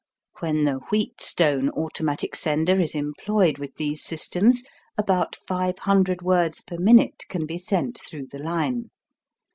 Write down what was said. When the Wheatstone Automatic Sender is employed with these systems about 500 words per minute can be sent through the line.